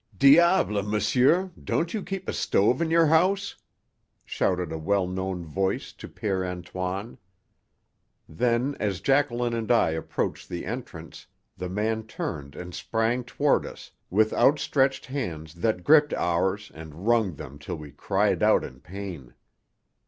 "Diable, monsieur, don't you keep a stove in your house?" shouted a well known voice to Père Antoine. Then, as Jacqueline and I approached the entrance, the man turned and sprang toward us with outstretched hands that gripped ours and wrung them till we cried out in pain.